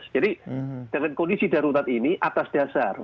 jadi dengan kondisi darurat ini atas dasar